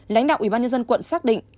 lãnh đạo ủy ban nhân dân quận xác định